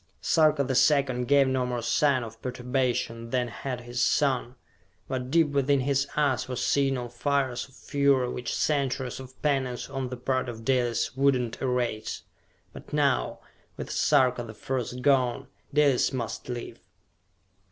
Sarka the Second gave no more sign of perturbation than had his son, but deep within his eyes were signal fires of fury which centuries of penance on the part of Dalis would not erase. But now, with Sarka the First gone, Dalis must live.